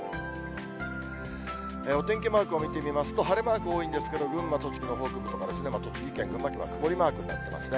お天気マークを見てみますと、晴れマーク多いんですけど、群馬、栃木の北部とか、栃木県、群馬県は曇りマークになってますね。